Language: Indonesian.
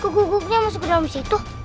kegugupnya masuk ke dalam situ